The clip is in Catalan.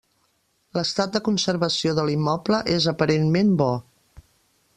L'estat de conservació de l'immoble és aparentment bo.